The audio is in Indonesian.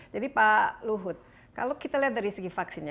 jadi pak luhut kalau kita lihat dari segi vaksin ya